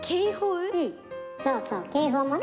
うんそうそう警報もね